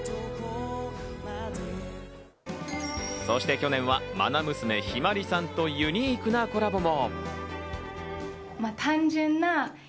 そして去年は愛娘・向日葵さんとユニークなコラボも。